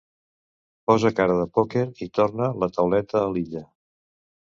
Posa cara de pòquer i torna la tauleta a l'Illa.